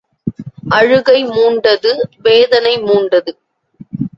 அழுகை மூண்டது வேதனை மூண்டது.